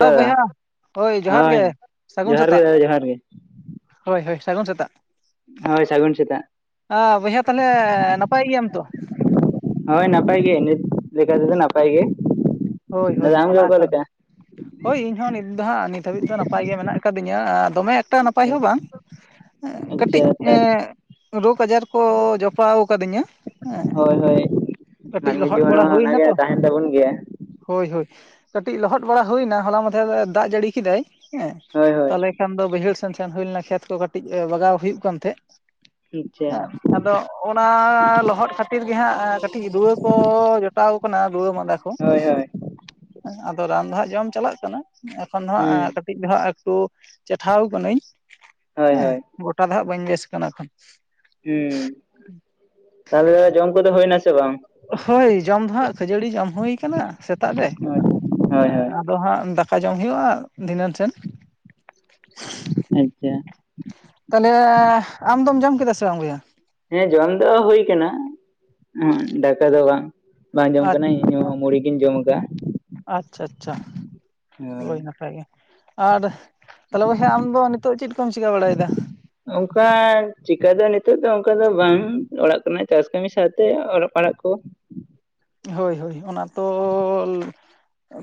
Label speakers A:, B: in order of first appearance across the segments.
A: ᱦᱮ ᱵᱚᱭᱦᱟ ᱦᱳᱭ ᱡᱚᱦᱟᱨ ᱜᱮ ᱥᱟᱹᱜᱩᱱ
B: ᱡᱚᱦᱟᱨ ᱜᱮ
A: ᱥᱮᱛᱟᱜ
B: ᱫᱟᱫᱟ ᱡᱚᱦᱟᱨ ᱜᱮ
A: ᱦᱳᱭ ᱦᱳᱭ ᱥᱟᱹᱜᱩᱱ ᱥᱮᱛᱟᱜ
B: ᱦᱳᱭ ᱥᱟᱹᱜᱩᱱ ᱥᱮᱛᱟᱜ
A: ᱮ ᱵᱚᱭᱦᱟ ᱛᱟᱦᱚᱞᱮ ᱱᱟᱯᱟᱭ ᱜᱮᱭᱟᱢ ᱛᱚ
B: ᱦᱳᱭ ᱱᱟᱯᱟᱭ ᱜᱮ ᱱᱤᱛ ᱞᱮᱠᱟ ᱛᱮᱫᱚ ᱱᱟᱯᱟᱭ ᱜᱮ
A: ᱦᱳᱭ ᱦᱳᱭ
B: ᱫᱟᱫᱟ ᱟᱢᱜᱮ
A: ᱚᱱᱟ
B: ᱚᱠᱟ
A: ᱠᱷᱟᱱ
B: ᱞᱮᱠᱟ
A: ᱜᱮ ᱦᱳᱭ ᱤᱧᱦᱚᱸ ᱱᱤᱛ ᱫᱚ ᱦᱟᱸᱜ ᱱᱤᱛ ᱦᱟᱹᱵᱤᱡ ᱫᱚ ᱱᱟᱯᱟᱭ ᱜᱮ ᱢᱮᱱᱟᱜ ᱠᱟᱫᱤᱧᱟ ᱫᱚᱢᱮ ᱮᱠᱴᱟ ᱱᱟᱯᱟᱭ ᱦᱚᱸ ᱵᱟᱝ
B: ᱟᱪᱪᱷᱟ
A: ᱠᱟᱹᱴᱤᱡ ᱮ
B: ᱛᱟᱦᱚᱞᱮ
A: ᱨᱳᱜᱽ ᱟᱡᱟᱨ ᱠᱚ ᱡᱚᱯᱲᱟᱣ ᱠᱟᱫᱤᱧᱟ ᱦᱮᱸ
B: ᱦᱳᱭ ᱦᱳᱭ
A: ᱠᱟᱹᱴᱤᱡ
B: ᱢᱟᱹᱱᱢᱤ
A: ᱞᱚᱦᱚᱫ
B: ᱡᱤᱭᱚᱱ ᱨᱮ
A: ᱵᱟᱲᱟ
B: ᱢᱟ
A: ᱦᱩᱭᱱᱟ
B: ᱚᱱᱟᱜᱮ
A: ᱛᱚ
B: ᱛᱟᱦᱮᱱ ᱛᱟᱵᱚᱱ ᱜᱮᱭᱟ
A: ᱦᱳᱭ ᱦᱳᱭ ᱠᱟᱹᱴᱤᱡ ᱞᱚᱦᱚᱫ ᱵᱟᱲᱟ ᱦᱩᱭᱱᱟ ᱦᱚᱞᱟ ᱢᱟᱫᱷᱮᱨ ᱫᱟᱜ ᱡᱟᱹᱲᱤ ᱠᱮᱫᱟᱭ ᱦᱮᱸ
B: ᱦᱳᱭ ᱦᱳᱭ
A: ᱛᱟᱦᱚᱞᱮ ᱠᱷᱟᱱ ᱫᱚ ᱵᱟᱹᱭᱦᱟᱹᱲ ᱥᱮᱱ ᱥᱮᱱ ᱦᱩᱭ ᱞᱮᱱᱟ ᱠᱷᱮᱛ ᱠᱚ ᱠᱟᱹᱴᱤᱡ ᱵᱟᱜᱟᱣ ᱦᱩᱭᱩᱜ ᱠᱟᱱ ᱛᱟᱦᱮᱸᱫ
B: ᱟᱪᱪᱷᱟ
A: ᱦᱮᱸ ᱟᱫᱚ ᱚᱱᱟ ᱞᱚᱦᱚᱫ ᱠᱷᱟᱹᱛᱤᱨ ᱜᱮ ᱦᱟᱸᱜ ᱠᱟᱹᱴᱤᱡ ᱨᱩᱣᱟᱹ ᱠᱚ ᱡᱚᱴᱟᱣ ᱠᱟᱱᱟ ᱨᱩᱣᱟᱹ ᱢᱟᱸᱫᱟ ᱠᱷᱚᱡ
B: ᱦᱳᱭ ᱦᱳᱭ
A: ᱟᱫᱚ ᱨᱟᱱ ᱫᱚ ᱦᱟᱸᱜ ᱡᱚᱢ ᱪᱟᱞᱟᱜ ᱠᱟᱱᱟ ᱮᱠᱷᱚᱱ ᱫᱚ
B: ᱦᱩᱸ
A: ᱦᱟᱸᱜ ᱠᱟᱹᱴᱤᱡ ᱫᱚ ᱦᱟᱸᱜ ᱛᱳ ᱪᱮᱴᱷᱟᱣ ᱠᱟᱹᱱᱤᱧ
B: ᱦᱳᱭ
A: ᱦᱮᱸ
B: ᱦᱳᱭ
A: ᱜᱚᱴᱟ ᱫᱚ ᱦᱟᱸᱜ ᱵᱟᱹᱧ ᱵᱮᱥ ᱠᱟᱱᱟ ᱮᱠᱷᱚᱱ
B: ᱦᱮᱸ ᱛᱟᱦᱞᱮ ᱡᱚᱢ ᱠᱚᱫᱚ ᱦᱩᱭ ᱱᱟᱥᱮ
A: ᱦᱳᱭ ᱡᱚᱢ ᱫᱚᱦᱟᱸᱜ ᱠᱷᱟᱹᱡᱟᱹᱲᱤ ᱡᱚᱢ ᱦᱩᱭ ᱠᱟᱱᱟ ᱥᱮᱛᱟᱜ ᱨᱮ
B: ᱦᱳᱭ ᱦᱳᱭ
A: ᱦᱮᱸ
B: ᱦᱳᱭ
A: ᱟᱫᱚ ᱦᱟᱸᱜ ᱫᱟᱠᱟ ᱡᱚᱢ ᱦᱩᱭᱩᱜᱼᱟ ᱫᱷᱤᱱᱟᱹᱱ ᱥᱮᱱ
B: [unintelligible]
A: ᱛᱟᱦᱞᱮ ᱟᱢ ᱫᱚᱢ ᱡᱚᱢ ᱠᱮᱫᱟ ᱥᱮ ᱵᱟᱝ ᱵᱚᱭᱦᱟ
B: ᱦᱮᱸ ᱡᱚᱢ ᱫᱚ ᱦᱩᱭ ᱠᱟᱱᱟ ᱩ ᱫᱟᱠᱟ ᱫᱚ ᱵᱟᱝ ᱵᱟᱝ ᱡᱚᱢ ᱠᱟᱱᱟ ᱤᱧ ᱢᱩᱲᱤ ᱜᱤᱧ ᱡᱚᱢ ᱠᱟᱜ-ᱟ
A: ᱟᱪᱪᱷᱟ ᱟᱪᱪᱷᱟ ᱦᱳᱭ ᱱᱟᱯᱟᱭ ᱜᱮ ᱟᱨ ᱛᱟᱦᱞᱮ ᱵᱚᱭᱦᱟ ᱟᱢᱫᱚ ᱱᱤᱛᱚᱜ ᱪᱮᱫ ᱠᱚᱢ ᱪᱤᱠᱟᱹ ᱵᱟᱲᱟᱭ ᱫᱟ
B: [unintelligible] ᱱᱤᱛᱚᱜ ᱫᱚ ᱚᱱᱠᱟ ᱫᱚ ᱵᱟᱝ ᱚᱲᱟᱜ ᱠᱚᱨᱮᱱᱟᱜ ᱪᱟᱥ ᱠᱟᱹᱢᱤ ᱥᱟᱶᱛᱮ ᱚᱞᱚᱜ ᱯᱟᱲᱦᱟᱜ ᱠᱚ
A: ᱦᱳᱭ ᱦᱳᱭ ᱚᱱᱟ ᱛᱚ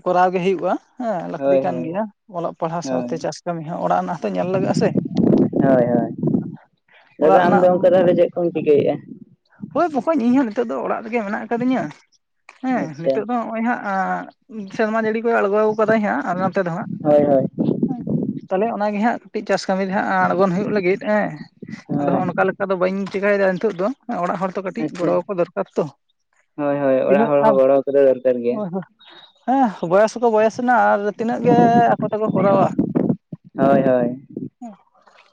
A: ᱠᱚᱨᱟᱣ ᱜᱮ ᱦᱩᱭᱩᱜᱼᱟ ᱦᱮᱸ ᱞᱟᱹᱠᱛᱤ
B: ᱦᱳᱭ
A: ᱠᱟᱱ
B: ᱦᱳᱭ
A: ᱜᱮᱭᱟ ᱚᱞᱚᱜ ᱯᱟᱲᱦᱟᱣ
B: ᱦᱳᱭ
A: ᱥᱟᱶᱛᱮ ᱪᱟᱥ ᱠᱟᱹᱢᱤ ᱦᱚᱸ ᱚᱲᱟᱜ ᱨᱮᱱᱟᱜ ᱦᱚᱸᱛᱚ ᱧᱮᱞ ᱞᱟᱜᱟᱜᱼᱟ ᱥᱮ
B: ᱦᱳᱭ ᱦᱳᱭ
A: ᱚᱲᱟᱜ
B: ᱫᱟᱫᱟ
A: ᱨᱮᱱᱟᱜ
B: ᱟᱢᱫᱚ ᱚᱱᱠᱟ ᱛᱟᱦᱚᱞᱮ ᱪᱮᱫ ᱠᱚᱢ ᱪᱤᱠᱟᱹᱭᱮᱫᱼᱟ
A: ᱦᱳᱭ ᱵᱚᱠᱚᱧ ᱤᱧ ᱱᱤᱛᱚᱜ ᱫᱚ ᱚᱲᱟᱜ ᱨᱮᱜᱮ ᱢᱮᱱᱟᱜ ᱟᱠᱟᱫᱤᱧᱟᱹ ᱦᱮᱸ
B: ᱟᱪᱪᱷᱟ
A: ᱱᱤᱛᱚᱜ ᱫᱚ ᱱᱚᱜᱼᱚᱭ ᱦᱟᱸᱜ ᱥᱮᱨᱢᱟ ᱡᱟᱹᱲᱤ ᱠᱚᱭ ᱟᱬᱜᱚ ᱠᱟᱫᱟᱭ ᱦᱟᱸᱜ ᱟᱨ ᱱᱚᱛᱮ ᱫᱚ ᱦᱟᱸᱜ
B: ᱦᱳᱭ ᱦᱳᱭ
A: ᱦᱮᱸ ᱛᱟᱦᱞᱮ ᱚᱱᱟᱜᱮ ᱦᱟᱸᱜ ᱠᱟᱹᱴᱤᱡ ᱪᱟᱥ ᱠᱟᱹᱢᱤ ᱫᱚ ᱦᱟᱜ ᱟᱬᱜᱚᱱ ᱦᱩᱭᱩᱜ ᱞᱟᱹᱜᱤᱫ ᱦᱮᱸ ᱟᱫᱚ
B: ᱦᱳᱭ
A: ᱚᱱᱠᱟ ᱞᱮᱠᱟ ᱫᱚ ᱵᱟᱹᱧ ᱪᱤᱠᱟᱹᱭᱮᱫᱟ ᱱᱤᱛᱚᱜ ᱫᱚ ᱚᱲᱟᱜ ᱦᱚᱲ ᱛᱚ ᱠᱟᱹᱴᱤᱡ
B: ᱟᱪᱪᱷᱟ
A: ᱜᱚᱲᱚ ᱟᱠᱚ ᱫᱚᱨᱠᱟᱨ ᱛᱚ
B: ᱦᱳᱭ ᱦᱳᱭ ᱚᱲᱟᱜ
A: ᱛᱤᱱᱟᱹᱜ
B: ᱦᱚᱲ
A: [inaudible]
B: ᱦᱚᱸ ᱜᱚᱲᱚ ᱠᱚᱫᱚ ᱫᱚᱨᱠᱟᱨ ᱜᱮᱭᱟ
A: ᱦᱮᱸ ᱵᱚᱭᱮᱥ ᱦᱚᱸᱠᱚ ᱵᱚᱭᱮᱥ ᱮᱱᱟ ᱟᱨ ᱛᱤᱱᱟᱹᱜ ᱜᱮ ᱟᱠᱚ ᱛᱮᱠᱚ ᱠᱚᱨᱟᱣᱟ ᱦᱮᱸ
B: ᱦᱳᱭ ᱦᱳᱭ
A: ᱦᱮᱸ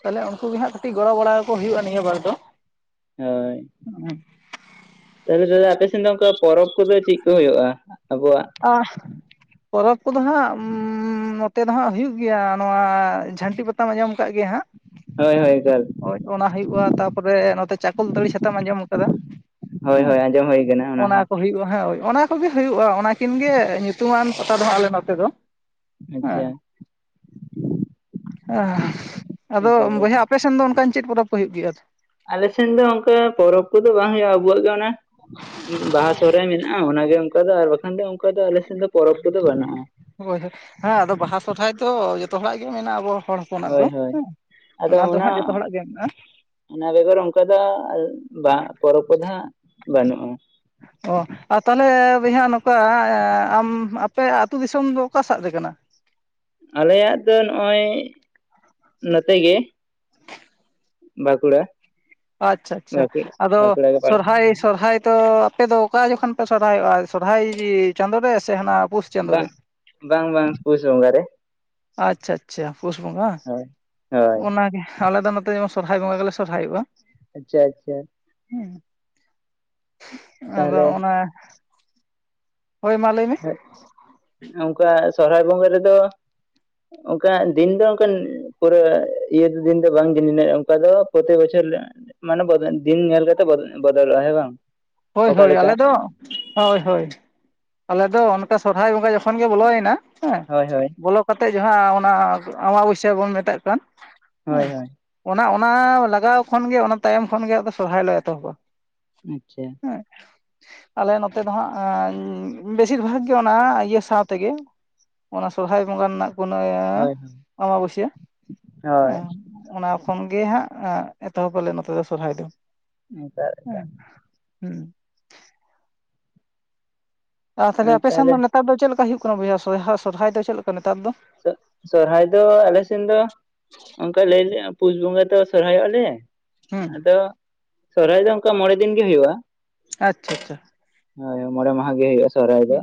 A: ᱛᱟᱦᱞᱮ ᱩᱱᱠᱩ ᱜᱮ ᱦᱟᱸᱜ ᱠᱟᱹᱴᱤᱡ ᱜᱚᱲᱚ ᱵᱟᱲᱟᱠᱚ ᱦᱩᱭᱩᱜᱼᱟ ᱱᱤᱭᱟᱹ ᱵᱟᱨ ᱫᱚ
B: ᱦᱳᱭ ᱛᱟᱦᱞᱮ ᱫᱟᱫᱟ ᱟᱯᱮ ᱥᱮᱫ ᱫᱚ ᱚᱝᱠᱟ ᱯᱚᱨᱚᱵᱽ ᱠᱚᱫᱚ ᱪᱮᱫ ᱠᱚ ᱦᱩᱭᱩᱜᱼᱟ ᱟᱵᱚᱣᱟᱜ
A: ᱟ ᱯᱚᱨᱚᱵᱽ ᱠᱚᱫᱚ ᱦᱟᱸᱜ ᱱᱚᱛᱮ ᱫᱚ ᱦᱟᱸᱜ ᱦᱩᱭᱩᱜ ᱜᱮᱭᱟ ᱱᱚᱣᱟ ᱡᱷᱟᱹᱱᱴᱤ ᱯᱟᱛᱟᱢ ᱟᱸᱡᱚᱢ ᱟᱠᱟᱫ ᱜᱮᱭᱟ ᱦᱟᱸᱜ
B: ᱦᱳᱭ ᱦᱳᱭ ᱦᱳᱭ
A: ᱦᱳᱭ ᱚᱱᱟ ᱦᱩᱭᱩᱜᱼᱟ ᱛᱟᱨᱯᱚᱨᱮ ᱱᱚᱛᱮ ᱪᱟᱠᱚᱞᱛᱟᱹᱲᱤ ᱪᱷᱟᱛᱟᱢ ᱟᱸᱡᱚᱢ ᱠᱟᱫᱟ
B: ᱦᱳᱭ
A: ᱦᱮᱸ
B: ᱦᱳᱭ ᱟᱸᱡᱚᱢ ᱦᱩᱭ ᱠᱟᱱᱟ
A: ᱚᱱᱟ
B: ᱦᱚᱸ
A: ᱠᱚ ᱦᱩᱭᱩᱜᱼᱟ ᱦᱳᱭ ᱚᱱᱟ ᱠᱚᱜᱮ ᱦᱩᱭᱩᱜᱼᱟ ᱚᱱᱟ ᱠᱤᱱ ᱜᱮ ᱧᱩᱛᱩᱢᱟᱱ ᱯᱟᱛᱟ ᱫᱚ ᱟᱞᱮ ᱱᱚᱛᱮ ᱫᱚ ᱦᱮᱸ
B: ᱟᱪᱪᱷᱟ
A: ᱦᱮᱸ ᱟᱫᱚ
B: ᱛᱟᱦᱚᱞᱮ
A: ᱵᱚᱭᱦᱟ ᱟᱯᱮᱥᱮᱱ ᱫᱚ ᱚᱱᱠᱟᱱ ᱪᱮᱫ ᱯᱚᱨᱚᱵᱽ ᱠᱚ ᱦᱩᱭᱩᱜ ᱜᱮᱭᱟ
B: ᱟᱞᱮᱥᱮᱱ ᱫᱚ ᱚᱱᱠᱟ ᱯᱚᱨᱚᱵᱽ ᱠᱚᱫᱚ ᱵᱟᱝ ᱦᱩᱭᱩᱜᱼᱟ ᱟᱵᱚᱣᱟᱜ ᱵᱟᱦᱟ ᱥᱚᱦᱦᱟᱭ ᱢᱮᱱᱟᱜᱼᱟ ᱚᱱᱟ ᱜᱮ ᱚᱱᱠᱟ ᱫᱚ ᱟᱨ ᱵᱟᱠᱷᱟᱱ ᱫᱚ ᱚᱱᱠᱟ ᱫᱚ ᱟᱞᱮ ᱾
A: ᱦᱳᱭ ᱦᱳᱭ ᱦᱟᱸ ᱟᱫᱚ ᱵᱟᱦᱟ ᱥᱚᱨᱦᱟᱭ ᱫᱚ ᱡᱚᱛᱚ ᱦᱚᱲᱟᱜ ᱜᱮ ᱢᱮᱱᱟᱜᱼᱟ ᱟᱵᱚ ᱦᱚᱲ ᱦᱚᱯᱚᱱᱟᱜ ᱫᱚ
B: ᱦᱳᱭ ᱦᱳᱭ
A: ᱚᱱᱟ ᱫᱚ ᱦᱟᱸᱜ ᱡᱚᱛᱚ ᱦᱚᱲᱟᱜ ᱜᱮ ᱢᱮᱱᱟᱜᱼᱟ ᱾
B: ᱚᱱᱟ ᱵᱮᱜᱚᱨ ᱚᱱᱠᱟ ᱫᱚ ᱵᱟᱝᱟ ᱠᱚ ᱚᱰᱚᱠᱚ ᱫᱚᱦᱟᱜ ᱜᱟᱱᱚᱜ-ᱟ ᱾
A: ᱚ ᱟᱨ ᱛᱟᱦᱟᱞᱮ ᱵᱚᱭᱦᱟ ᱱᱚᱝᱠᱟ ᱟᱢ ᱟᱯᱮ ᱟᱹᱛᱩ ᱫᱤᱥᱚᱢ ᱫᱚ ᱚᱠᱟ ᱥᱟᱫ ᱨᱮ ᱠᱟᱱᱟ ᱾
B: ᱟᱞᱮᱭᱟᱜ ᱫᱚ ᱱᱚᱜᱼᱚᱭ ᱱᱚᱛᱮ ᱜᱮ ᱾ ᱵᱟᱸᱠᱩᱲᱟ ᱾
A: ᱟᱪᱪᱷᱟ ᱟᱪᱪᱷᱟ ᱟᱫᱚ
B: ᱜᱮ ᱯᱟᱲᱟᱜᱼᱟ
A: ᱥᱚᱨᱦᱟᱭ ᱥᱚᱨᱦᱟᱭ ᱾ ᱛᱚ ᱟᱯᱮᱫᱚ ᱚᱠᱟ ᱡᱚᱠᱷᱚᱱ ᱯᱮ ᱥᱚᱨᱦᱟᱭᱚᱜᱼᱟ ᱥᱚᱨᱦᱟᱭ ᱪᱟᱸᱫᱳ ᱨᱮ ᱥᱮ ᱦᱟᱱᱟ ᱾
B: ᱵᱟᱝ ᱵᱟᱝ ᱵᱟᱝ ᱯᱩᱥ ᱵᱚᱸᱜᱟ ᱨᱮ ᱾
A: ᱟᱪᱪᱷᱟ ᱟᱪᱪᱷᱟ ᱯᱩᱥ ᱵᱚᱸᱜᱟ
B: ᱦᱳᱭ ᱦᱳᱭ
A: ᱚᱱᱟ ᱜᱮ᱾ ᱟᱞᱮ ᱫᱚ ᱱᱚᱛᱮ ᱥᱚᱨᱦᱟᱭ ᱵᱚᱸᱜᱟ ᱜᱮᱞᱮ ᱥᱚᱨᱦᱟᱭᱚᱜᱼᱟ ᱾
B: ᱟᱪᱪᱷᱟ ᱟᱪᱪᱷᱟ ᱾
A: ᱟᱫᱚ
B: ᱛᱟᱦᱚᱞᱮ
A: ᱚᱱᱟ ᱾ ᱦᱳᱭ ᱢᱟ ᱞᱟᱹᱭ ᱢᱮ ᱾
B: ᱟ ᱥᱚᱦᱨᱟᱭᱟ ᱵᱚᱸᱜᱟ ᱨᱮᱫᱚ ᱚᱱᱠᱟ ᱫᱤᱱ ᱫᱚ ᱚᱱᱠᱟᱱ ᱯᱩᱨᱟᱹ ᱤᱭᱟᱹ ᱫᱚ ᱫᱤᱱ ᱫᱚ ᱵᱟᱝ ᱜᱤᱱᱞᱮᱱᱟ ᱚᱱᱠᱟ ᱫᱚ ᱯᱨᱚᱛᱤ ᱵᱚᱪᱷᱚᱨ ᱢᱟᱱᱮ ᱫᱤᱱ ᱧᱮᱞ ᱠᱟᱛᱮ ᱵᱚᱫᱚᱞᱚᱜᱼᱟ ᱦᱮ ᱵᱟᱝ ᱾
A: ᱦᱳᱭ ᱦᱳᱭ ᱟᱞᱮ ᱫᱚ ᱦᱳᱭ ᱦᱳᱭ ᱟᱞᱮ ᱫᱚ ᱚᱱᱠᱟ ᱥᱚᱨᱦᱟᱭ ᱵᱚᱸᱜᱟ ᱡᱚᱠᱷᱚᱱ ᱜᱮ ᱵᱚᱞᱚᱭᱮᱱᱟ ᱦᱮᱸ
B: ᱦᱳᱭ ᱦᱳᱭ
A: ᱵᱚᱞᱚ ᱠᱟᱛᱮ ᱡᱟᱸᱦᱟ ᱚᱱᱟ ᱟᱢᱟᱵᱥᱭᱟ ᱵᱚᱱ ᱢᱮᱛᱟᱜ ᱠᱟᱱ
B: ᱦᱳᱭ
A: ᱦᱮᱸ
B: ᱦᱳᱭ
A: ᱚᱱᱟ ᱚᱱᱟ ᱞᱟᱜᱟᱣ ᱠᱷᱚᱱᱜᱮ ᱚᱱᱟ ᱛᱟᱭᱚᱢ ᱠᱷᱚᱱᱜᱮ ᱟᱫᱚ ᱥᱚᱨᱦᱟᱭ ᱞᱮ ᱮᱛᱚᱦᱚᱵᱟ ᱾
B: ᱟᱪᱪᱷᱟ ᱾ [unintelligible]
A: ᱟᱞᱮ ᱱᱚᱛᱮ ᱫᱚ ᱦᱟᱸᱜ ᱵᱮᱥᱤᱨ ᱵᱷᱟᱜᱽ ᱜᱮ ᱚᱱᱟ ᱤᱭᱟᱹ ᱥᱟᱶ ᱛᱮᱜᱮ ᱚᱱᱟ ᱥᱚᱨᱚᱦᱟᱭ ᱵᱚᱸᱜᱟ ᱨᱮᱱᱟᱜ ᱾ ᱯᱩᱱᱟᱹᱭ
B: ᱦᱳᱭ ᱦᱳᱭ
A: ᱟᱸᱵᱟᱵᱥᱭᱟ
B: ᱦᱳᱭ
A: ᱦᱮᱸ ᱚᱱᱟ ᱠᱷᱚᱱ ᱜᱮ ᱦᱟᱸᱜ ᱾ ᱦᱟᱸ ᱮᱛᱚᱦᱚᱵ ᱟᱞᱮ ᱱᱚᱛᱮ ᱫᱚ ᱥᱚᱨᱦᱟᱭ ᱫᱚ
B: [inaudible]
A: ᱦᱮᱸ᱾ ᱟᱨ ᱛᱟᱦᱞᱮ ᱟᱯᱮ ᱥᱮᱱ
B: ᱛᱟᱦᱚᱞᱮ
A: ᱫᱚ ᱱᱮᱛᱟᱨ ᱫᱚ ᱪᱮᱫ ᱞᱮᱠᱟ ᱦᱩᱭᱩᱜ ᱠᱟᱱᱟ ᱵᱚᱭᱦᱟ ᱥᱚᱨ ᱥᱚᱨᱦᱟᱭ ᱫᱚ ᱪᱮᱫ ᱞᱮᱠᱟ ᱱᱮᱛᱟᱨ ᱫᱚ
B: ᱥᱚᱨᱚᱦᱦᱟᱭ ᱫᱚ ᱟᱞᱮ ᱥᱮᱱ ᱫᱚ ᱚᱱᱠᱟ ᱞᱟᱹᱭ ᱞᱮ ᱯᱩᱥ ᱵᱚᱸᱜᱟ ᱨᱮ ᱾ [inaudible] ᱛᱚ ᱥᱚᱨᱦᱟᱭᱚᱜᱼᱟᱞᱮ
A: ᱦᱩᱸ
B: ᱟᱫᱚ ᱥᱚᱨᱦᱟᱭ ᱫᱚ ᱚᱱᱠᱟ ᱢᱚᱬᱮ ᱫᱤᱱ ᱜᱮ ᱦᱩᱭᱩᱜᱼᱟ ᱾
A: ᱟᱪᱪᱷᱟ ᱟᱪᱪᱷᱟ ᱾
B: ᱦᱳᱭ ᱢᱚᱬᱮ ᱢᱟᱦᱟ ᱜᱮ ᱦᱩᱭᱩᱜᱼᱟ ᱾
A: ᱦ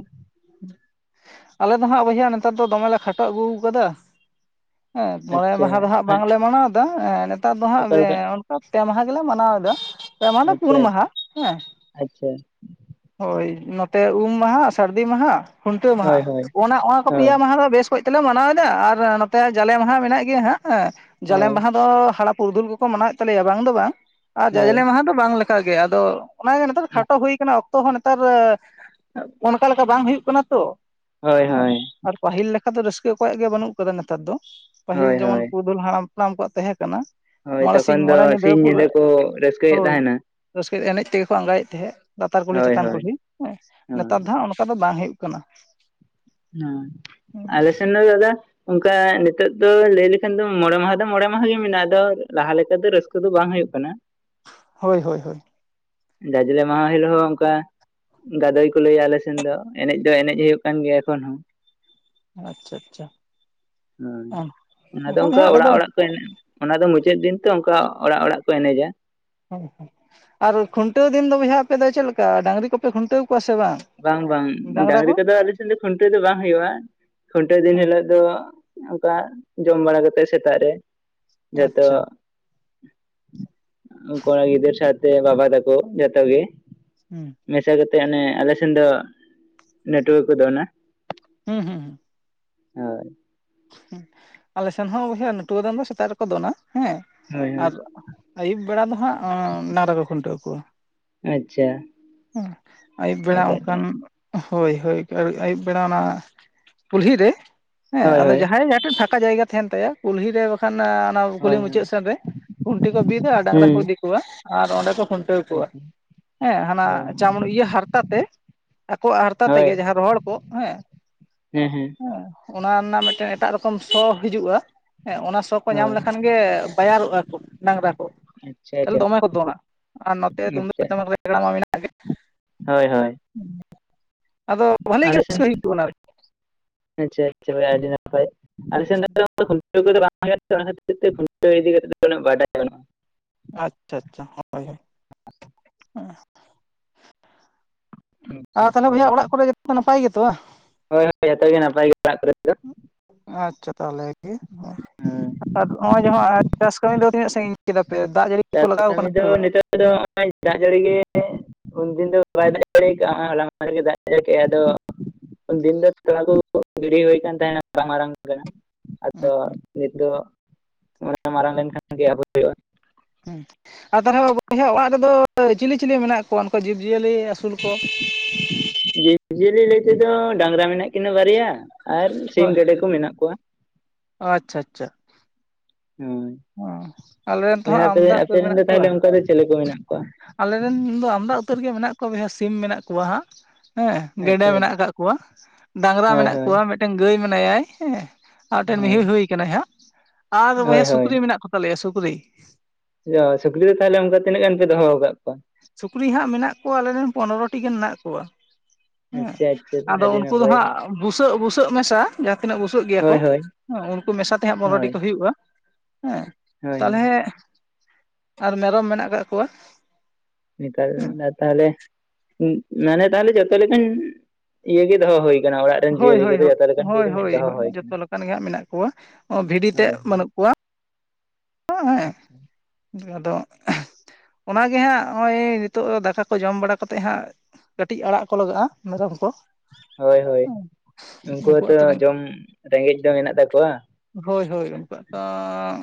A: ᱟᱞᱮ ᱾ [unintelligible] ᱫᱚ ᱦᱜ ᱵᱚᱭᱦᱟ ᱱᱮᱛᱟᱨ ᱫᱚ ᱫᱚᱢᱮ ᱠᱮ ᱠᱷᱟᱴᱚ ᱟᱹᱜᱩ ᱟᱠᱟᱫᱟ ᱦᱮᱸ ᱢᱚᱬᱮ
B: ᱟᱪᱪᱷᱟ
A: ᱢᱟᱦᱟ ᱫᱚ ᱱᱦᱜ
B: ᱦᱮᱸ
A: ᱵᱟᱝᱞᱮ ᱢᱟᱱᱟᱣ ᱟ ᱾ ᱵᱟᱝᱜᱮ ᱱᱮᱛᱟᱨ ᱫᱚ ᱦᱟᱸᱜ
B: ᱚᱠᱟ ᱞᱮᱠᱟ
A: ᱯᱮ ᱢᱟᱦᱟ ᱜᱮᱞᱮ ᱢᱟᱱᱟᱣ ᱮᱫᱟ ᱾ ᱯᱮ ᱢᱟᱦᱟᱸ ᱫᱚ ᱯᱩᱱ
B: ᱟᱪᱪᱷᱟ
A: ᱢᱟᱦᱟ ᱦᱮᱸ
B: ᱟᱪᱪᱷᱟ
A: ᱦᱚᱭ ᱾ ᱱᱚᱛᱮ ᱩᱢ ᱢᱟᱦᱟ ᱥᱟᱹᱨᱫᱤ ᱢᱟᱦᱟ ᱠᱷᱩᱱᱴᱟᱹ ᱢᱟᱦᱟ
B: ᱦᱳᱭ ᱦᱳᱭ
A: ᱚᱱᱟ ᱚᱱᱟ ᱠᱚ
B: ᱦᱳᱭ
A: ᱯᱮᱭᱟ ᱢᱟᱦᱟ ᱫᱚ ᱵᱮᱥ ᱦᱚᱭ ᱛᱮᱞᱮ ᱢᱟᱱᱟᱣ ᱮᱫᱟ ᱟᱨ ᱱᱚᱛᱮ ᱡᱟᱞᱮ ᱢᱟᱦᱟ ᱢᱮᱱᱟᱜ ᱜᱮᱭᱟ ᱦᱮᱸ ᱦᱸ ᱡᱟᱞᱮ
B: ᱦᱳᱭ
A: ᱢᱟᱦᱟ ᱫᱚ ᱦᱟᱲᱟᱯ ᱯᱩᱨᱫᱩᱞ ᱠᱚᱠᱚ ᱢᱟᱱᱟᱣᱮᱫ ᱛᱟᱞᱮᱭᱟ ᱵᱟᱝ ᱫᱚ ᱵᱟᱝ ᱟᱨ
B: ᱦᱳᱭ
A: ᱡᱟᱡᱽᱞᱮ ᱢᱟᱦᱟ ᱫᱚ ᱵᱟᱝ ᱞᱮᱠᱟ ᱜᱮ ᱟᱫᱚ ᱚᱱᱟᱜᱮ ᱱᱮᱛᱟᱨ ᱠᱷᱟᱴᱚ ᱦᱩᱭ ᱟᱠᱟᱱᱟ ᱚᱠᱛᱚ ᱦᱚᱸ ᱱᱮᱛᱟᱨ ᱚᱱᱠᱟ ᱞᱮᱠᱟ ᱵᱟᱝ ᱦᱩᱭᱩᱜ ᱠᱟᱱᱟ ᱛᱚ ᱾
B: ᱦᱚᱭ ᱦᱚᱭ ᱾
A: ᱟᱫᱚ ᱨᱟᱹᱥᱠᱟᱹ ᱚᱠᱚᱭᱟᱜ ᱜᱮ ᱵᱟᱹᱱᱩᱜ ᱟᱠᱟᱫᱟ ᱱᱮᱛᱟᱨ ᱫᱚ ᱯᱟᱹᱦᱤᱞ
B: ᱦᱳᱭ
A: ᱡᱮᱢᱚᱱ
B: ᱦᱳᱭ
A: ᱯᱩᱨᱩᱫᱷᱩᱞ ᱦᱟᱲᱟᱢ ᱦᱟᱯᱲᱟᱢ ᱠᱚᱣᱟᱜ ᱛᱟᱦᱮᱸ ᱠᱟᱱᱟ ᱾
B: ᱦᱳᱭ
A: ᱢᱚᱬᱮ
B: ᱛᱚᱠᱷᱚᱱ
A: ᱥᱤᱧ
B: ᱫᱚ
A: ᱢᱚᱬᱮ ᱧᱤᱫᱟᱹ
B: ᱥᱤᱧ
A: ᱯᱩᱨᱟᱹ
B: ᱠᱚ ᱨᱟᱹᱥᱠᱟᱹᱭᱮᱫ
A: ᱦᱚᱭ
B: ᱛᱟᱦᱮᱱᱟ
A: ᱨᱟᱹᱥᱠᱟᱹ ᱯᱷᱤᱨ ᱮᱱᱮᱡ ᱛᱮᱜᱮ ᱠᱚ ᱟᱸᱜᱟᱭᱮᱫ ᱛᱟᱦᱮᱸᱫ ᱞᱟᱛᱟᱨ ᱠᱩᱞᱦᱤ
B: ᱦᱳᱭ
A: ᱪᱮᱛᱟᱱ
B: ᱦᱳᱭ
A: ᱠᱩᱞᱦᱤ ᱦᱮᱸ
B: ᱦᱳᱭ
A: ᱱᱮᱛᱟᱨ ᱫᱚ ᱦᱟᱸᱜ ᱚᱱᱠᱟ ᱫᱚ ᱵᱟᱝ ᱦᱩᱭᱩᱜ [unintelligible]
B: ᱦᱩᱸ ᱟᱞᱮ ᱥᱮᱱ ᱫᱚ ᱫᱟᱫᱟ ᱚᱱᱠᱟ ᱱᱤᱛᱚᱜ ᱫᱚ ᱞᱟᱹᱭ ᱞᱮᱠᱷᱟᱱ ᱫᱚ ᱢᱚᱬᱮ ᱢᱟᱦᱟ ᱫᱚ ᱢᱚᱬᱮ ᱢᱟᱦᱟ ᱜᱮ ᱢᱮᱱᱟᱜᱼᱟ ᱟᱫᱚ ᱞᱟᱦᱟ ᱞᱮᱠᱟ ᱫᱚ ᱨᱟᱹᱥᱠᱟᱹ ᱫᱚ ᱵᱟᱝ ᱦᱩᱭᱩᱜ ᱠᱟᱱᱟ ᱾
A: ᱦᱳᱭ ᱦᱳᱭ ᱦᱳᱭ᱾
B: ᱡᱟᱡᱞᱮ ᱢᱟᱦᱟ ᱦᱤᱞᱳᱜ ᱦᱚᱸ ᱚᱱᱠᱟ ᱜᱟᱫᱚᱭ ᱠᱚ ᱞᱟᱹᱭᱟ ᱟᱞᱮ ᱥᱮᱱ ᱫᱚ ᱮᱱᱮᱡ ᱫᱚ ᱮᱱᱮᱡ ᱦᱩᱭᱩᱜ ᱠᱟᱱ ᱜᱮᱭᱟ ᱮᱠᱷᱚᱱ ᱦᱚᱸ
A: ᱟᱪᱪᱷᱟ ᱟᱪᱪᱷᱟ
B: ᱦᱳᱭ ᱚᱱᱟᱫᱚ ᱚᱱᱠᱟ
A: ᱵᱚᱭᱦᱟ ᱟᱞᱮ
B: ᱚᱲᱟᱜ
A: ᱫᱚ
B: ᱚᱲᱟᱜ ᱠᱚ ᱮᱱᱮᱡ ᱚᱱᱟ ᱫᱚ ᱢᱩᱪᱟᱹᱫ ᱫᱤᱱ ᱛᱚ ᱚᱱᱠᱟ ᱚᱲᱟᱜ ᱚᱲᱟᱜ ᱠᱚ ᱮᱱᱮᱡᱟ᱾
A: [unintelligible] ᱟᱨ ᱠᱷᱩᱱᱴᱟᱹᱣ ᱫᱤᱱ ᱫᱚ ᱵᱚᱭᱦᱟ ᱟᱯᱮ ᱫᱚ ᱪᱮᱫ ᱞᱮᱠᱟ ᱰᱟᱝᱨᱤ ᱠᱚᱯᱮ ᱠᱷᱩᱱᱴᱟᱹᱣ ᱠᱚᱣᱟ ᱥᱮ
B: ᱵᱟᱝ ᱵᱟᱝ
A: ᱰᱟᱝᱨᱟ
B: ᱰᱟᱝᱨᱤ
A: ᱠᱚ
B: ᱠᱚᱫᱚ ᱟᱞᱮ ᱥᱮᱱ ᱫᱚ ᱠᱷᱩᱱᱴᱤᱟᱹᱣ ᱫᱚ ᱵᱟᱝ ᱦᱩᱭᱩᱜᱼᱟ᱾ ᱠᱷᱩᱱᱴᱟᱹᱣ ᱫᱤᱱ ᱦᱤᱞᱳᱜ ᱫᱚ ᱚᱱᱠᱟ ᱡᱚᱢ ᱵᱟᱲᱟ ᱠᱟᱛᱮᱜ ᱥᱮᱛᱟᱜ ᱨᱮ ᱡᱷᱚᱛᱚ
A: ᱟᱪᱪᱷᱟ
B: ᱠᱚᱲᱟ ᱜᱤᱫᱟᱹᱨ ᱥᱟᱶᱛᱮ ᱵᱟᱵᱟ ᱛᱟᱠᱚ ᱡᱚᱛᱚ ᱜᱮ
A: ᱦᱩᱸ
B: ᱢᱮᱥᱟ ᱠᱟᱛᱮ ᱚᱱᱮ ᱟᱞᱮ ᱥᱮᱱ ᱫᱚ ᱱᱮᱴᱣᱟᱹᱨᱠ [unintelligible]
A: ᱦᱩᱸ ᱦᱩᱸ ᱩᱮᱸ
B: ᱦᱳᱭ
A: ᱦᱮᱸ ᱟᱞᱮ ᱥᱮᱱ ᱦᱚᱸ ᱵᱚᱭᱦᱟ [unintelligible] ᱫᱚ ᱥᱮᱛᱟᱜ ᱨᱮᱠᱚ ᱫᱚᱱᱟ᱾ ᱦᱮᱸ
B: ᱦᱳᱭ
A: ᱟᱨ
B: ᱦᱳᱭ
A: ᱟᱹᱭᱩᱵ ᱵᱮᱲᱟ ᱫᱚ ᱦᱟᱸᱜ ᱱᱟᱨ ᱠᱚ ᱠᱷᱩᱱᱴᱟᱹᱣ ᱠᱚᱣᱟ᱾
B: ᱟᱪᱪᱷᱟ
A: ᱟᱹᱭᱩᱵ ᱵᱮᱲᱟ
B: ᱦᱳᱭ ᱦᱳᱭ
A: ᱚᱱᱠᱟᱱ ᱦᱳᱭ ᱦᱳᱭ ᱟᱹᱭᱩᱵ ᱵᱮᱲᱟ ᱚᱱᱟ ᱠᱩᱞᱦᱤ ᱨᱮ ᱦᱮᱸ
B: ᱦᱳᱭ ᱦᱳᱭ
A: ᱟᱫᱚ
B: ᱦᱩᱸ
A: ᱡᱟᱦᱟᱸᱭ ᱡᱟᱦᱟᱸ ᱴᱷᱮᱱ ᱯᱷᱟᱠᱟ ᱡᱟᱭᱜᱟ ᱛᱟᱦᱮᱸᱱ ᱛᱟᱭᱟ ᱠᱩᱞᱦᱤ ᱨᱮ ᱵᱟᱠᱷᱟᱱ ᱚᱱᱟ ᱠᱩᱞᱦᱤ
B: ᱦᱳᱭ
A: ᱢᱩᱪᱟᱹᱫ ᱥᱮᱱ ᱨᱮ ᱜᱩᱱᱴᱤ ᱠᱚ ᱵᱤᱫᱟ ᱟᱨ ᱰᱟᱝᱨᱟ ᱠᱚ
B: ᱦᱳᱭ
A: ᱤᱫᱤ ᱠᱚᱣᱟ᱾ ᱟᱨ ᱚᱸᱰᱮ ᱠᱚ ᱠᱷᱩᱱᱴᱟᱹᱣ
B: ᱦᱮᱸ
A: ᱠᱚᱣᱟ ᱦᱮᱸ ᱦᱟᱱᱟ ᱤᱭᱟᱹ ᱦᱟᱨᱛᱟ ᱛᱮ ᱟᱠᱚᱣᱟᱜ ᱦᱟᱨᱛᱟ ᱛᱮᱜᱮ ᱡᱟᱦᱟᱸ ᱨᱚᱦᱚᱲ ᱠᱚᱜ ᱦᱮᱸ ᱦᱮᱸ᱾ ᱚᱱᱟ ᱨᱮᱱᱟᱜ ᱢᱤᱫᱴᱮᱱ ᱮᱴᱟᱜ ᱨᱚᱠᱚᱢ ᱥᱚ ᱦᱤᱡᱩᱜᱼᱟ᱾ ᱦᱮᱸ ᱚᱱᱟ ᱥᱚ ᱠᱚ ᱧᱟᱢ
B: ᱦᱳᱭ
A: ᱞᱮᱠᱷᱟᱱ ᱜᱮ ᱵᱟᱭᱟᱨᱚᱜᱼᱟ ᱠᱚ ᱰᱟᱝᱨᱟ
B: ᱟᱪᱪᱷᱟ ᱟᱪᱪᱷᱟ
A: ᱫᱚᱢᱮ ᱠᱚ ᱫᱚᱱᱟ ᱟᱨ ᱱᱚᱛᱮ ᱛᱩᱢᱫᱟᱜ
B: ᱟᱪᱪᱷᱟ
A: ᱴᱟᱢᱟᱠ ᱨᱮᱜᱲᱟᱢᱟ ᱢᱮᱱᱟᱜ ᱜᱮ
B: ᱦᱳᱭ ᱦᱳᱭ
A: ᱟᱫᱚ ᱵᱷᱟᱹᱞᱤ ᱜᱮ
B: ᱟᱞᱮ ᱥᱮᱱ
A: ᱨᱟᱹᱥᱠᱟᱹ ᱦᱩᱭᱩᱜᱼᱟ ᱚᱱᱟᱨᱮ᱾
B: ᱟᱪᱪᱷᱟ ᱟᱪᱪᱷᱟ [unintelligible] ᱟᱞᱮ ᱥᱮᱱ [unintelligible] ᱚᱱᱟ ᱠᱷᱟᱹᱛᱤᱨ ᱛᱮ ᱠᱷᱩᱱᱴᱟᱹᱣ ᱤᱫᱤ ᱠᱟᱛᱮ ᱫᱚ ᱩᱱᱟᱹᱜ ᱵᱟᱰᱟᱭ ᱵᱟᱱᱩᱜᱼᱟ᱾
A: ᱟᱪᱪᱷᱟ ᱟᱪᱪᱷᱟ ᱦᱳᱭ ᱦᱳᱭ ᱦᱮᱸ᱾ ᱟᱨ ᱛᱟᱦᱚᱞᱮ ᱵᱚᱭᱦᱟ ᱚᱲᱟᱜ ᱠᱚᱨᱮ ᱡᱚᱛᱚ ᱱᱟᱯᱟᱭ ᱜᱮᱛᱚ ᱵᱟ?
B: ᱦᱳᱭ ᱦᱳᱭ ᱡᱚᱛᱚ ᱜᱮ ᱱᱟᱯᱟᱭ ᱜᱮ ᱚᱲᱟᱜ ᱠᱚᱨᱮ ᱫᱚ᱾
A: ᱟᱪᱪᱷᱟ ᱛᱟᱦᱚᱞᱮ ᱜᱮ
B: ᱦᱳᱭ,
A: ᱟᱨ ᱱᱚᱜᱼᱚᱭ ᱡᱟᱦᱟᱸ ᱪᱟᱥ ᱠᱟᱹᱢᱤ ᱫᱚ ᱛᱤᱱᱟᱹᱜ ᱥᱟᱺᱜᱤᱧ ᱠᱮᱫᱟ ᱯᱮ ᱫᱟᱜ ᱡᱟᱹᱲᱤ ᱠᱚ
B: ᱪᱟᱥ
A: ᱞᱟᱜᱟᱣ
B: ᱠᱟᱹᱢᱤ
A: ᱠᱟᱱᱟ
B: ᱫᱚ
A: ᱥᱮ ᱵᱟᱝ?
B: ᱱᱤᱛᱚᱜ ᱫᱚ [unintelligible] ᱫᱟᱜ ᱡᱟᱲᱤ ᱜᱮ ᱩᱱᱫᱤᱱ ᱫᱚ ᱵᱟᱭ ᱫᱟᱜ ᱡᱟᱹᱲᱤ ᱠᱟᱜ-ᱟ ᱱᱚᱜᱚᱭ ᱦᱚᱞᱟ ᱢᱟᱦᱫᱮᱨ ᱜᱮ ᱫᱟᱜ ᱡᱟᱲᱤ ᱠᱮ ᱟᱭ ᱟᱫᱚ ᱫᱤᱱ ᱫᱚ ᱛᱚᱞᱟ ᱠᱚ ᱜᱤᱲᱤ ᱦᱩᱭ ᱠᱟᱱ ᱛᱟᱦᱮᱸᱱᱟ ᱢᱟᱨᱟᱝ ᱢᱟᱨᱟᱝ [unintelligible] ᱟᱫᱚ ᱱᱤᱛ ᱫᱚ ᱢᱮ ᱢᱟᱨᱟᱝ ᱞᱮᱱᱠᱷᱟᱱ ᱜᱮ ᱟᱵᱚ ᱦᱩᱭᱩᱜᱼᱟ᱾
A: ᱦᱮᱸ ᱟᱨ ᱛᱟᱦᱚᱞᱮ ᱵᱚᱭᱦᱟ ᱚᱲᱟᱜ ᱨᱮᱫᱚ ᱪᱤᱞᱤ ᱪᱤᱞᱤ ᱢᱮᱱᱟᱜ ᱠᱚᱣᱟ ᱩᱱᱠᱩ ᱡᱤᱵᱽ ᱡᱤᱭᱟᱹᱞᱤ ᱟᱹᱥᱩᱞ ᱠᱚ?
B: ᱡᱤᱵᱽ ᱡᱤᱭᱟᱹᱞᱤ ᱞᱟᱹᱭ ᱛᱮᱫᱚ ᱰᱟᱝᱨᱟ ᱢᱮᱱᱟᱜ ᱠᱤᱱᱟᱹ ᱵᱟᱨᱭᱟ ᱟᱨ ᱥᱤᱢ
A: ᱦᱳᱭ
B: ᱜᱮᱰᱮ ᱠᱚ ᱢᱮᱱᱟᱜ ᱠᱚᱣᱟ᱾
A: ᱟᱪᱪᱷᱟ ᱟᱪᱪᱷᱟ᱾
B: ᱦᱳᱭ
A: ᱚ ᱟᱞᱮ ᱨᱮᱱ ᱛᱮᱦᱚᱸ
B: ᱵᱚᱭᱦᱟ ᱟᱯᱮ
A: ᱟᱢᱫᱟ ᱩᱛᱟᱹᱨ
B: ᱟᱯᱮᱨᱮᱱ
A: ᱢᱮᱱᱟᱜ
B: ᱫᱚ
A: ᱠᱚᱣᱟ᱾
B: ᱛᱟᱦᱚᱞᱮ ᱚᱱᱠᱟ ᱫᱚ ᱪᱮᱞᱮ ᱠᱚ ᱢᱮᱱᱟᱜ ᱠᱚᱣᱟ
A: ᱟᱞᱮᱨᱮᱱ ᱫᱚ ᱟᱢᱫᱟ ᱩᱛᱟᱹᱨᱜᱮ ᱢᱮᱱᱟᱜ ᱠᱚᱣᱟ ᱵᱚᱭᱦᱟ ᱥᱤᱢ ᱢᱮᱱᱟᱜ ᱠᱚᱣᱟ ᱦᱟᱜ᱾ ᱦᱮᱸ ᱜᱮᱰᱮ
B: ᱟᱪᱪᱷᱟ
A: ᱢᱮᱱᱟᱜ
B: ᱟᱪᱪᱷᱟ,
A: ᱟᱠᱟᱫ ᱠᱚᱣᱟ ᱰᱟᱝᱨᱟ
B: ᱦᱳᱭ
A: ᱢᱮᱱᱟᱜ
B: ᱦᱳᱭ
A: ᱠᱚᱣᱟ ᱢᱤᱫᱴᱮᱱ ᱜᱟᱹᱭ ᱢᱮᱱᱟᱭᱟ ᱦᱮᱸ᱾ ᱟᱨᱴᱮᱱ ᱢᱤᱦᱩ
B: ᱦᱳᱭ
A: ᱦᱩᱭ ᱟᱠᱟᱱᱟᱭ ᱦᱟᱜ᱾ ᱟᱫᱚ
B: ᱦᱳᱭ
A: ᱵᱚᱭᱦᱟ
B: ᱦᱳᱭ
A: ᱥᱩᱠᱨᱤ ᱢᱮᱱᱟᱜ ᱠᱚ ᱛᱟᱞᱮᱭᱟ ᱥᱩᱠᱨᱤ
B: [unintelligible] ᱥᱩᱠᱨᱤ ᱫᱚ ᱛᱟᱦᱞᱮ ᱚᱱᱠᱟ ᱛᱤᱱᱟᱹᱜ ᱜᱟᱱ ᱯᱮ ᱫᱚᱦᱚ ᱟᱠᱟ
A: ᱥᱩᱠᱨᱤ ᱦᱟᱸᱜ ᱢᱮᱱᱟᱜ ᱠᱚᱣᱟ ᱟᱞᱮᱨᱤᱱ ᱯᱚᱱᱨᱚᱴᱤ ᱜᱟᱱ ᱢᱮᱱᱟᱜ ᱠᱚᱣᱟ᱾ ᱦᱮᱸ
B: ᱟᱪᱪᱷᱟ ᱟᱪᱪᱷᱟ
A: ᱟᱫᱚ
B: ᱟᱹᱰᱤ
A: ᱩᱱᱠᱩ ᱫᱚ
B: ᱱᱟᱯᱟᱭ
A: ᱦᱟᱸᱜ ᱵᱩᱥᱟᱹᱜ ᱵᱩᱥᱟᱹᱜ ᱢᱮᱥᱟ ᱡᱟᱦᱟᱸ ᱛᱤᱱᱟᱹᱜ ᱵᱩᱥᱟᱹᱜ ᱜᱮᱭᱟ ᱠᱚ
B: ᱦᱳᱭ ᱦᱳᱭ
A: ᱦᱮᱸ ᱩᱱᱠᱩ ᱢᱮᱥᱟ ᱛᱮᱦᱟᱸᱜ ᱯᱚᱱᱨᱚᱴᱤ
B: ᱦᱳᱭ
A: ᱠᱚ ᱦᱩᱭᱩᱜᱼᱟ᱾ ᱦᱮᱸ
B: ᱦᱳᱭ
A: ᱛᱟᱦᱚᱞᱮ
B: ᱦᱳᱭ᱾
A: ᱟᱨ ᱢᱮᱨᱚᱢ ᱢᱮᱱᱟᱜ ᱠᱟᱜ ᱠᱚᱣᱟ᱾ ᱦᱮᱸ
B: [unintelligible] ᱛᱟᱦᱚᱞᱮ ᱢᱟᱱᱮ ᱛᱟᱦᱚᱞᱮ ᱡᱚᱛᱚ ᱞᱮᱠᱟᱱ ᱤᱭᱟ ᱜᱮ ᱫᱚᱦᱚ ᱦᱩᱭ ᱟᱠᱟᱱᱟ ᱚᱲᱟᱜ ᱨᱮᱱ
A: ᱦᱳᱭ
B: ᱡᱤᱭᱟᱹᱞᱤ
A: ᱦᱳᱭ
B: ᱠᱚᱫᱚ
A: ᱦᱳᱭ
B: ᱡᱚᱛᱚ ᱞᱮᱠᱟᱱ ᱠᱚ
A: ᱦᱳᱭ
B: ᱢᱤᱫ
A: ᱦᱳᱭ
B: ᱫᱷᱟᱣ ᱦ ᱠᱟᱱᱟ
A: ᱡᱚᱛᱚ ᱞᱮᱠᱟᱱ ᱜᱮ ᱦᱟᱸᱜ ᱢᱮᱱᱟᱜ ᱠᱚᱣᱟ ᱵᱷᱤᱰᱤ ᱛᱮᱫ
B: ᱦᱳᱭ ᱦᱳᱭ
A: ᱵᱟᱹᱱᱩᱜ ᱠᱚᱣᱟ ᱦᱮᱸ
B: ᱟᱪᱪᱷᱟ,
A: ᱦᱮᱸ ᱟᱫᱚ ᱚᱱᱟᱜᱮ ᱦᱟᱸᱜ ᱱᱚᱜᱼᱚᱭ ᱱᱤᱛᱚᱜ ᱫᱚ ᱫᱟᱠᱟ ᱠᱚ ᱡᱚᱢ ᱵᱟᱲᱟ ᱠᱟᱛᱮᱫ ᱦᱟᱸᱜ ᱠᱟᱹᱴᱤᱡ ᱟᱲᱟᱜ ᱠᱚ ᱞᱟᱜᱟᱜᱼᱟ ᱢᱮᱨᱚᱢ ᱠᱚ
B: ᱦᱳᱭ ᱦᱳᱭ ᱩᱱᱠᱩ
A: ᱩᱱᱠᱩᱣᱟᱜ
B: ᱦᱚᱸᱛᱚ
A: ᱛᱚ
B: ᱡᱚᱢ ᱨᱮᱸᱜᱮᱡ ᱫᱚ ᱢᱮᱱᱟᱜ ᱛᱟᱠᱚᱣᱟ
A: ᱦᱳᱭ ᱦᱳᱭ ᱩᱱᱠᱩᱣᱟᱜ ᱛᱚ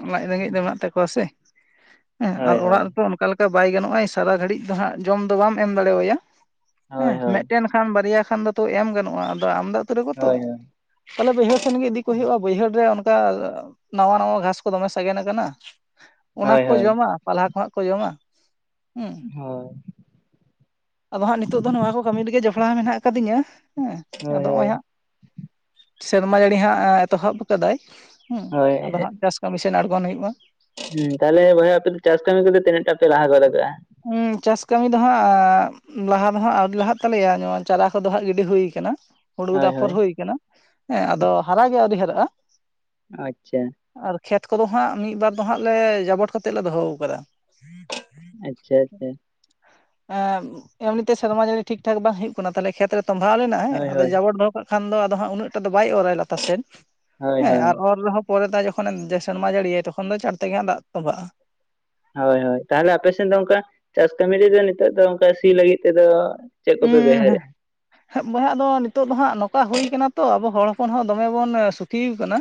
A: ᱞᱟᱡ ᱨᱮᱸᱜᱮᱡ ᱫᱚ ᱢᱮᱱᱟᱜ ᱛᱟᱠᱚᱣᱟ ᱥᱮ ᱦᱮᱸ ᱟᱨ
B: ᱦᱳᱭ ᱦᱳᱭ
A: ᱚᱲᱟᱜ ᱨᱮᱛᱚ ᱚᱱᱠᱟ ᱞᱮᱠᱟ ᱵᱟᱭ ᱜᱟᱱᱚᱜᱼᱟ ᱥᱟᱨᱟ ᱜᱷᱟᱹᱲᱤᱡ ᱫᱚ ᱦᱟᱜ ᱡᱚᱢ ᱫᱚ ᱵᱟᱢ ᱮᱢ ᱫᱟᱲᱮᱣᱟᱭᱟ
B: ᱦᱳᱭ
A: ᱦᱮᱸ
B: ᱦᱳᱭ
A: ᱢᱤᱫᱴᱮᱱ ᱠᱷᱟᱱ ᱵᱟᱨᱭᱟ ᱠᱷᱟᱱ ᱫᱚᱛᱚ ᱮᱢ ᱜᱟᱱᱚᱜᱼᱟ ᱟᱫᱚ ᱟᱢᱫᱟ ᱩᱛᱟᱹᱨ ᱟᱠ ᱛᱚ
B: ᱦᱳᱭ ᱦᱳᱭ
A: ᱛᱟᱦᱚᱞᱮ ᱵᱟᱹᱭᱦᱟᱹᱲ ᱥᱮᱱ ᱜᱮ ᱤᱫᱤ ᱠᱚ ᱦᱩᱭᱩᱜᱼᱟ ᱵᱟᱹᱭᱦᱟᱹᱲ ᱨᱮ ᱤᱫᱤ ᱠᱚ ᱦᱩᱭᱩᱜᱟ ᱚᱱᱠᱟ ᱱᱟᱣᱟ ᱱᱟᱶᱟ ᱜᱷᱟᱸᱥ ᱠᱚ ᱫᱚᱢᱮ ᱥᱟᱜᱮᱱ ᱟᱠᱟᱱᱟ
B: ᱦᱳᱭ
A: ᱚᱱᱟᱠᱚ
B: ᱦᱳᱭ
A: ᱡᱚᱢᱟ ᱯᱟᱞᱦᱟ ᱠᱷᱱᱟᱜ ᱡᱚᱢᱟ ᱩ ᱟᱫᱚ ᱦᱟᱸᱜ ᱱᱤᱛᱳᱜ ᱫᱚ ᱱᱚᱣᱟ ᱠᱚ ᱠᱟᱹᱢᱤ ᱨᱤᱜᱤ ᱡᱚᱯᱲ ᱟᱠᱷᱲᱟ ᱢᱮᱱᱟᱜ ᱠᱟᱫᱤᱧᱟ ᱦᱮᱸ
B: ᱦᱳᱭ
A: ᱟᱫᱚ ᱱᱚᱜᱼᱚᱭ
B: ᱦᱳᱭ
A: ᱦᱟᱸᱜ ᱥᱮᱨᱢᱟ ᱡᱟᱹᱲᱤ ᱦᱟᱸᱜ ᱮᱛᱚᱦᱚᱵ ᱟᱠᱟᱫᱟᱭ ᱦᱮᱸ ᱟᱫᱚ ᱦᱟᱸᱜ
B: ᱦᱳᱭ
A: ᱪᱟᱥ ᱠᱟᱹᱢᱤ ᱥᱮᱱ ᱟᱬᱜᱚᱱ ᱦᱩᱭᱩᱜᱼᱟ
B: ᱛᱤᱱᱟᱹ ᱴᱟ ᱯᱮ ᱞᱟᱦᱟᱜᱚᱫᱠᱟᱜᱼᱟ
A: ᱦᱩᱸ ᱪᱟᱥ ᱠᱟᱹᱢᱤ ᱫᱚ ᱦᱟᱸᱜ ᱞᱟᱦᱟ ᱫᱚ ᱦᱟᱸᱜ ᱟᱹᱣᱨᱤ ᱞᱟᱦᱟᱜ ᱛᱟᱞᱮᱭᱟ ᱱᱚᱭᱟ ᱪᱟᱨᱟ ᱠᱚᱫᱚ ᱦᱟᱸᱜ ᱜᱤᱰᱤ ᱦᱩᱭ ᱠᱟᱱᱟ ᱦᱩᱲᱩ ᱫᱚ
B: ᱦᱳᱭ
A: ᱟᱯᱷᱚᱨ
B: ᱦᱳᱭ
A: ᱦᱩᱭ ᱠᱟᱱᱟ ᱦᱮᱸ ᱟᱫᱚ ᱦᱟᱨᱟᱜ ᱜᱮ ᱟᱹᱣᱨᱤ ᱦᱟᱨᱟᱜᱼᱟ
B: ᱟᱪ ᱪᱷᱟ
A: ᱟᱨ ᱠᱷᱮᱛ ᱠᱚᱫᱚ ᱦᱟᱸᱜ ᱢᱤᱫᱵᱟᱨ ᱫᱚ ᱦᱟᱸᱜ ᱞᱮ ᱡᱟᱵᱚᱴ ᱠᱟᱛᱮᱜ ᱞᱮ ᱫᱚᱦᱚ ᱠᱟᱫᱟ
B: ᱟᱪᱪᱷᱟ ᱟᱪᱪᱷᱟ
A: ᱮᱸ ᱮᱢᱱᱤᱛᱮ ᱥᱮᱨᱢᱟ ᱡᱟᱲᱤ ᱴᱷᱤᱠ ᱴᱷᱟ ᱵᱟᱝ ᱦᱩᱭᱩᱜ ᱠᱟᱱᱟ ᱛᱟᱦᱚᱞᱮ ᱠᱷᱮᱛ ᱨᱮ ᱛᱚᱢᱵᱷᱟᱣ ᱞᱮᱱᱟ ᱦᱮᱸ
B: ᱦᱳᱭ
A: ᱟᱫᱚ
B: ᱦᱳᱭ
A: ᱡᱟᱵᱚᱴ ᱫᱚᱦᱚ ᱠᱟᱜ ᱠᱷᱟᱱ ᱫᱚ ᱟᱫᱚ ᱦᱟᱸᱜ ᱩᱱᱟᱹᱜᱴᱟ ᱫᱚ ᱵᱟᱭ ᱚᱨᱟᱭ ᱞᱟᱛᱟ ᱥᱮᱫ
B: ᱦᱳᱭ
A: ᱦᱮᱸ
B: ᱦᱳᱭ
A: ᱟᱨ ᱚᱨ ᱨᱮᱦᱚᱸ ᱯᱚᱨᱮ ᱛᱮ ᱡᱚᱠᱷᱚᱱᱮ ᱥᱮᱨᱢᱟ ᱡᱟᱹᱲᱤᱭᱟᱭ ᱛᱚᱠᱷᱚᱱ ᱫᱚ ᱪᱟᱲ ᱛᱮᱜᱮ ᱫᱟᱜ ᱛᱚᱸᱚᱵᱷᱟᱜᱼᱟ
B: ᱦᱳᱭ ᱦᱳᱭ ᱛᱟᱦᱚᱞᱮ ᱟᱯᱮᱥᱮᱫ ᱫᱚ ᱚᱱᱠᱟ ᱪᱟᱥ ᱠᱟᱹᱢᱤ ᱨᱮᱫᱚ ᱱᱤᱛᱚᱜ ᱫᱚ ᱚᱱᱠᱟ ᱥᱤ ᱞᱟᱹᱜᱤᱫ ᱛᱮᱫᱚ ᱪᱮᱫ ᱠᱚᱯᱮ ᱵᱮᱦᱟᱨ
A: ᱩᱸ
B: ᱮᱜ-ᱟ
A: ᱵᱚᱭᱦᱟ ᱟᱫᱚ ᱱᱤᱛᱚᱜ ᱫᱚ ᱦᱟᱸᱜ ᱱᱚᱝᱠᱟ ᱦᱩᱭ ᱠᱟᱱᱟ ᱛᱚ ᱟᱵᱚ ᱦᱚᱲ ᱦᱚᱯᱚᱱ ᱦᱚᱸ ᱫᱚᱢᱮ ᱵᱚᱱ ᱥᱩᱠᱷᱤ ᱠᱟᱱᱟ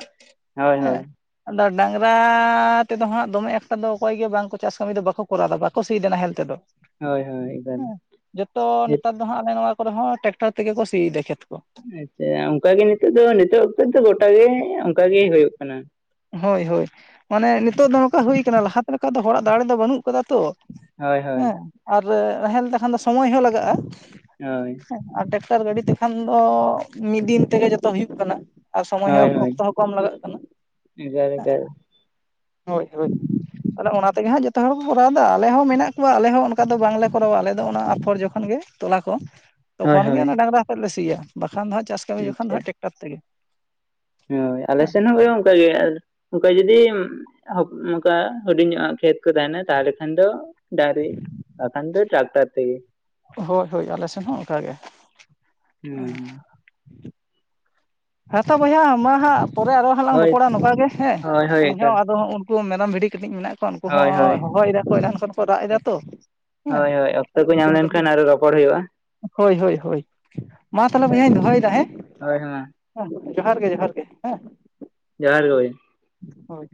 B: ᱦᱳᱭ
A: ᱦᱮᱸ
B: ᱦᱳᱭ
A: ᱟᱫᱚ ᱰᱟᱝᱨᱟ ᱛᱮᱫᱚ ᱦᱟᱸᱜ ᱫᱚᱢᱮ ᱮᱠᱴᱟ ᱫᱚ ᱚᱠᱚᱭ ᱜᱮ ᱵᱟᱝᱠᱚ ᱪᱟᱥ ᱠᱟᱹᱢᱤ ᱫᱚ ᱵᱟᱠᱚ ᱠᱚᱨᱟᱣᱮᱫᱟ ᱵᱟᱠᱚ ᱥᱤᱭ ᱮᱫᱟ ᱱᱟᱦᱮᱞ ᱛᱮᱫᱚ
B: ᱦᱳᱭ ᱦᱳᱭ
A: ᱦᱮᱸ ᱡᱚᱛᱚ
B: [unintelligible]
A: ᱱᱮᱛᱟᱨ ᱫᱚ ᱦᱟᱜ ᱟᱞᱮ ᱱᱚᱣᱟ ᱠᱚᱨᱮ ᱦᱚᱸ ᱴᱮᱠᱴᱟᱨ ᱛᱮᱜᱮ ᱠᱚ ᱥᱤᱭᱤᱫᱟ ᱠᱷᱮᱛ ᱠᱚ
B: ᱟᱪᱪᱷᱟ ᱚᱱᱠᱟᱜᱮ ᱚᱱᱠᱟ ᱜᱮ ᱦᱩᱭᱩᱜ ᱠᱟᱱᱟ
A: ᱦᱳᱭ ᱦᱳᱭ ᱢᱟᱱᱮ ᱱᱤᱛᱳᱜ ᱫᱚ ᱱᱚᱝᱠᱟ ᱦᱩᱭ ᱠᱟᱱᱟ ᱞᱟᱦᱟᱛᱮ ᱞᱮᱠᱟ ᱫᱚ ᱦᱚᱲᱟᱜ ᱫᱟᱲᱮ ᱫᱚ ᱵᱟᱹᱱᱩᱜ ᱠᱟᱫᱟ ᱛᱚ
B: ᱦᱳᱭ ᱦᱳᱭ
A: ᱦᱮᱸ ᱟᱨ ᱱᱟᱦᱮᱞ ᱛᱮ ᱠᱷᱟᱱ ᱫᱚ ᱥᱚᱢᱚᱭ ᱦᱚᱸ ᱞᱟᱜᱟᱜᱼᱟ
B: ᱦᱳᱭ
A: ᱟᱨ ᱴᱮᱠᱴᱟᱨ ᱜᱟᱹᱰᱤ ᱛᱮᱠᱷᱟᱱ ᱫᱚ ᱢᱤᱫ ᱫᱤᱱ ᱛᱮᱜᱮ ᱡᱚᱛᱚ ᱦᱩᱭᱩᱜ ᱠᱟᱱᱟ ᱟᱨ ᱥᱚᱢᱚᱭ
B: ᱦᱳᱭ
A: ᱦᱚᱸ
B: ᱦᱳᱭ
A: ᱚᱠᱛᱚ ᱦᱚᱸ ᱠᱚᱢ ᱞᱟᱜᱟᱜ ᱠᱟᱱᱟ
B: ᱮᱠᱟᱞ ᱮᱠᱟᱞ
A: ᱦᱳᱭ ᱦᱳᱭ ᱟᱫᱚ ᱚᱱᱟ ᱛᱮᱜᱮ ᱦᱟᱸᱜ ᱡᱚᱛᱚ ᱦᱚᱲ ᱠᱚ ᱠᱚᱨᱟᱣᱫᱟ ᱟᱞᱮ ᱦᱚᱸ ᱢᱮᱱᱟᱜ ᱠᱚᱣᱟ ᱟᱞᱮ ᱦᱚᱸ ᱚᱱᱠᱟ ᱫᱚ ᱵᱟᱝᱞᱮ ᱠᱚᱨᱟᱣᱟ ᱟᱞᱮ ᱫᱚ ᱚᱱᱟ ᱟᱯᱷᱚᱨ ᱡᱚᱠᱷᱚᱱ ᱜᱮ ᱛᱚᱞᱟ ᱠᱚ
B: ᱦᱳᱭ
A: ᱛᱚᱠᱷᱚᱱ ᱜᱮ
B: ᱦᱳᱭ
A: ᱚᱱᱟ ᱰᱟᱝᱨᱟ ᱟᱛᱮᱫ ᱞᱮ ᱥᱤᱭᱟ ᱵᱟᱠᱷᱟᱱ ᱫᱚ ᱦᱟᱸᱜ ᱪᱟᱥ ᱠᱟᱹᱢᱤ ᱡᱚᱠᱷᱟᱱ ᱫᱚ
B: ᱟᱪᱪᱷᱟ
A: ᱦᱟᱸᱜ ᱴᱮᱠᱴᱟᱨ ᱛᱮᱜᱮ
B: ᱦᱳᱭ ᱟᱞᱮ
A: ᱦᱮᱸ,
B: ᱥᱮᱱ ᱦᱚᱸ ᱚᱱᱠᱟᱜ ᱜᱮ ᱚᱱᱠᱟ ᱡᱩᱚᱫᱤ ᱚᱱᱠᱟ ᱦᱩᱰᱤᱧ ᱧᱚᱜ ᱟ ᱠᱷᱮᱛ ᱠᱚ ᱛᱟᱦᱮᱱᱟ ᱛᱟᱦᱚᱞᱮ ᱠᱷᱟᱱ ᱫᱚ ᱰᱟᱸᱜᱽᱨᱤ ᱵᱟᱠᱷᱟᱱ ᱫᱚ ᱴᱟᱠᱴᱟᱠ ᱛᱮᱜᱮ
A: ᱦᱳᱭ ᱦᱳᱭ ᱟᱞᱮ ᱥᱮᱱ ᱦᱚᱸ ᱚᱱᱠᱟᱜᱮ
B: ᱦᱩᱸ
A: ᱦᱮᱸ ᱛᱚ ᱵᱚᱭᱦᱟ ᱢᱟ ᱦᱟᱸᱜ ᱯᱚᱨᱮ ᱟᱨᱚ ᱦᱟᱸᱜ ᱞᱟᱝ
B: ᱦᱳᱭ
A: ᱨᱚᱯᱚᱲᱟ ᱱᱚᱝᱠᱟ ᱜᱮ ᱦᱮᱸ
B: ᱦᱳᱭ ᱦᱳᱭ
A: ᱤᱧ ᱦᱚᱸ
B: ᱮᱠᱟᱞ
A: ᱟᱫᱚ ᱩᱱᱠᱩ ᱢᱮᱨᱚᱢ ᱵᱷᱤᱰᱤ ᱠᱟᱹᱴᱤᱡ ᱢᱮᱱᱟᱜ ᱠᱚᱣᱟ ᱩᱱᱠᱩ ᱦᱚᱸ
B: ᱦᱳᱭ ᱦᱳᱭ
A: ᱦᱚᱦᱚᱭᱮᱫᱟᱠᱚ ᱮᱱᱟᱝ ᱠᱷᱚᱱ ᱠᱚ ᱨᱟᱜ ᱮᱫᱟ ᱛᱚ ᱦᱮᱸ
B: ᱦᱳᱭ ᱦᱳᱭ ᱚᱠᱛᱚ
A: ᱛᱟᱦᱚᱞᱮ
B: ᱠᱚ
A: ᱩᱱᱠᱩ
B: ᱧᱟᱢ
A: ᱦᱚᱸ ᱠᱟᱹᱴᱤᱡ
B: ᱞᱮᱱᱠᱷᱟᱱ ᱟᱨᱦᱚ ᱨᱚᱯᱚᱲ ᱦᱩᱭᱩᱜᱼᱟ
A: ᱦᱳᱭ ᱦᱳᱭ ᱦᱳᱭ ᱢᱟ ᱛᱟᱦᱚᱞᱮ
B: ᱮᱠᱟᱞ
A: ᱵᱚᱭᱦᱟᱧ ᱫᱚᱦᱚᱭᱮᱫᱟ ᱦᱮᱸ
B: ᱦᱳᱭ ᱢᱟ
A: ᱡᱚᱦᱟᱨ ᱜᱮ ᱡᱚᱦᱟᱨ ᱜᱮ ᱦᱮᱸ
B: ᱡᱚᱦᱟᱨ ᱜᱮ ᱵᱚᱭᱦᱟ
A: ᱦᱳᱭ